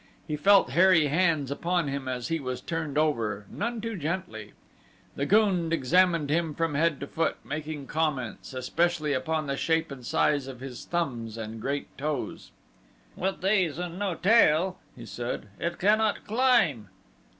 He felt hairy hands upon him as he was turned over, none too gently. The gund examined him from head to foot, making comments, especially upon the shape and size of his thumbs and great toes. "With these and with no tail," he said, "it cannot climb."